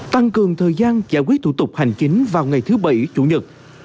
tăng cường thời gian giải quyết thủ tục hành chính vào ngày thứ bảy chủ nhật